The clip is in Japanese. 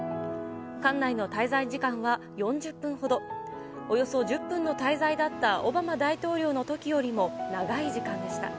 館内の滞在時間は４０分ほど、およそ１０分の滞在だったオバマ大統領のときよりも長い時間でした。